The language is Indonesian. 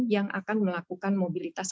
yang akan melakukan mobilitas